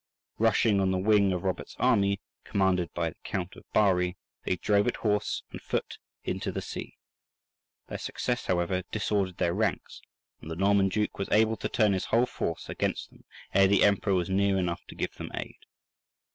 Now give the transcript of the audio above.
Rushing on the wing of Robert's army, commanded by the Count of Bari, they drove it horse and foot into the sea. Their success, however, disordered their ranks, and the Norman duke was able to turn his whole force against them ere the Emperor was near enough to give them aid.